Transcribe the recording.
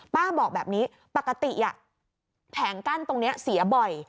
บอกแบบนี้ปกติแผงกั้นตรงนี้เสียบ่อย